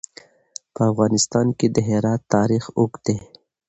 په افغانستان کې د هرات تاریخ اوږد دی.